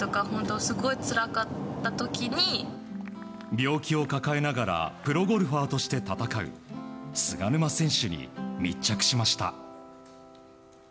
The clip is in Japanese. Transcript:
病気を抱えながらプロゴルファーとして戦う菅沼選手に密着しました。